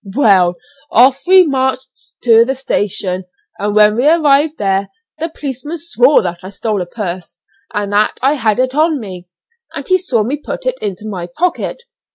Well, off we marched to the station, and when we arrived there the policeman swore that I stole a purse, and that I had it on me, as he saw me put it into my pocket.